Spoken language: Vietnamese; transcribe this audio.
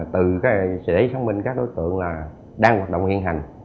từ xử lý thông minh các đối tượng đang hoạt động hiện hành